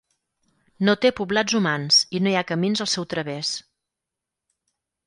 No té poblats humans i no hi ha camins al seu través.